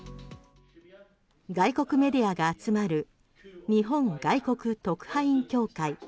外国メディアが集まる日本外国特派員協会。